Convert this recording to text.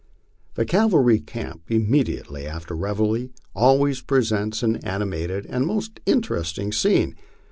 A cavalry camp immediately after reveille always presents an animated and most interesting scene.